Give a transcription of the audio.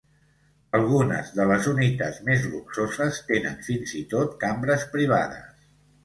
Algunes de les unitats més luxoses tenen fins i tot cambres privades.